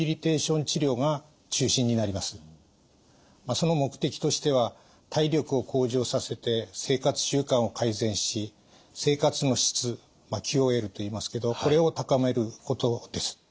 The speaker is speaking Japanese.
その目的としては体力を向上させて生活習慣を改善し生活の質ＱＯＬといいますけどこれを高めることです。